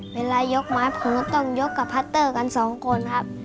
เวลายกไม้ผมก็ต้องยกกับพัตเตอร์กันสองคนครับ